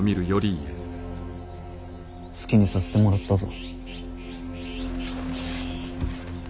好きにさせてもらったぞ。